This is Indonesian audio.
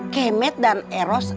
kemet dan eros